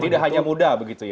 tidak hanya muda begitu ya